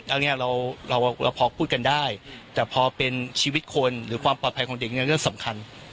อันนี้เราเราพอพูดกันได้แต่พอเป็นชีวิตคนหรือความปลอดภัยของเด็กเนี่ยเรื่องสำคัญ